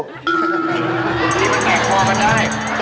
กินมันแตกความมันได้